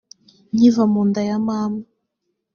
nkiva mu nda ya mama